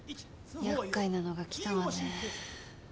やっかいなのが来たわね。